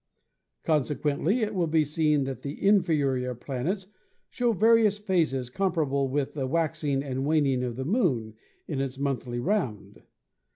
Consequently it will be seen that the inferior planets show various phases comparable with the wax ing and waning of the Moon in its monthly round.